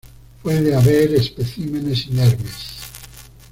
Puede haber especímenes inermes.